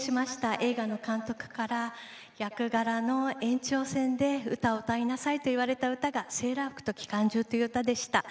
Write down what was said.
映画の監督から役柄の延長線で歌を歌いなさいと言われた歌が「セーラー服と機関銃」という歌でした。